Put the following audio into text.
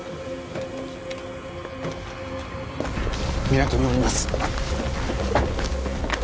港に下ります。